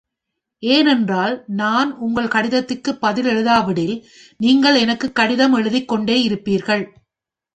ஏனென்றால், நான் உங்கள் கடிதத்துக்குப் பதில் எழுதாவிடில் நீங்கள் எனக்குக் கடிதம் எழுதிக் கொண்டே இருப்பீர்கள்.